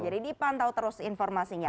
jadi dipantau terus informasinya